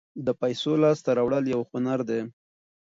د پیسو لاسته راوړل یو هنر دی.